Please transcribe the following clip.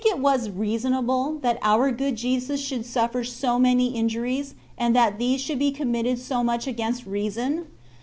62 THE WAY OP PERPECTION, it was reasonable, that our good Jesus should suflfer so many injuries, and that these should be committed so much against reason